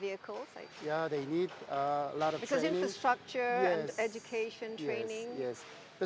mereka membutuhkan banyak latihan